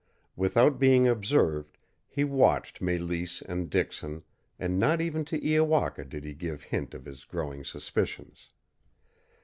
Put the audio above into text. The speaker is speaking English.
Without being observed, he watched Mélisse and Dixon, and not even to Iowaka did he give hint of his growing suspicions.